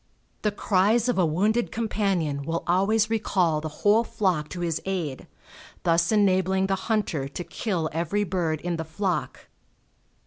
The cries of a wounded companion will always recall the whole flock to his aid, thus enabling the hunter to kill every bird in the flock.